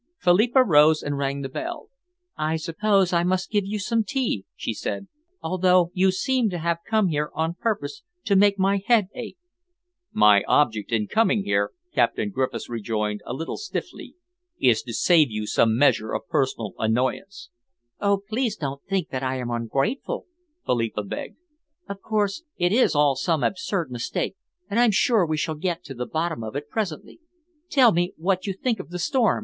Philippa rose and rang the bell. "I suppose I must give you some tea," she said, "although you seem to have come here on purpose to make my head ache." "My object in coming here," Captain Griffiths rejoined, a little stiffly, "is to save you some measure of personal annoyance." "Oh, please don't think that I am ungrateful," Philippa begged. "Of course, it is all some absurd mistake, and I'm sure we shall get to the bottom of it presently Tell me what you think of the storm?"